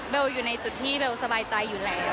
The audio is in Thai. อยู่ในจุดที่เบลสบายใจอยู่แล้ว